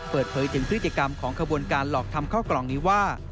เปิดเผยถึงพฤติกรรมของขบวนการหลอกทำข้าวกล่องนี้ว่า